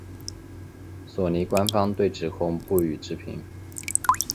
索尼官方对指控不予置评。